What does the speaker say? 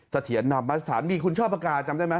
สถิียณธรรมสถานมีคุณชอบปากกาจำได้ไหม